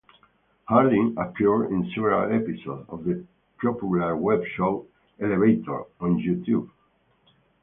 Hardin appeared in several episodes of the popular web show, "Elevator", on YouTube.